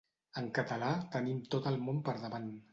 En català tenim tot el món per davant.